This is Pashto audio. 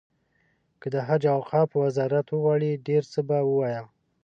که د حج او اوقافو وزارت وغواړي ډېر څه به ووایم.